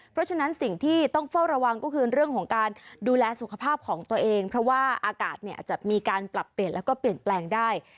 เพราะฉะนั้นสิ่งที่ต้องเฝ้าระวังก็คือเรื่องของการดูแลสุขภาพของตัวเองเพราะว่าอากาศเนี่ยอาจจะมีการปรับเปลี่ยนแล้วก็เปลี่ยนแปลงได้